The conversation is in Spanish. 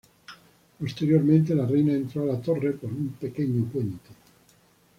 Posteriormente, la reina entró a la Torre ""por un pequeño puente"".